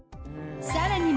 さらに